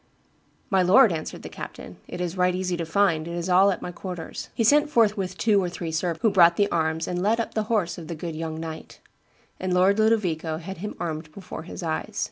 'My lord,' answered the captain, 'it is right easy to find, it is all at my quarters.' He sent forthwith two or three servants, who brought the arms and led up the horse of the good young knight; and Lord Ludovico had him armed before his eyes.